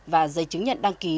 và giấy chứng nhận đăng ký